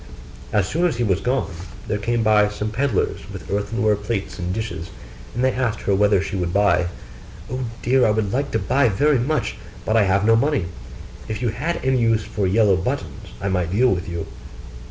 As soon as he was gone, there came by some pedlars with earthenware plates and dishes, and they asked her whether she would buy. 'Oh dear me, I should like to buy very much, but I have no money: if you had any use for yellow buttons, I might deal with you.